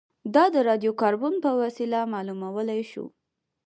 دا د راډیو کاربن په وسیله معلومولای شو